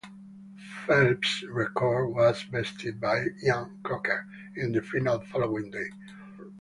Phelps's record was bested by Ian Crocker in the final the following day.